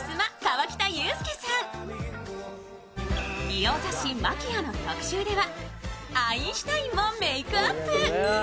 美容雑誌「ＭＡＱＵＩＡ」の特集ではアインシュタインもメークアップ。